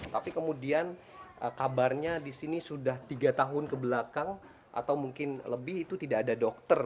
tapi kemudian kabarnya di sini sudah tiga tahun kebelakang atau mungkin lebih itu tidak ada dokter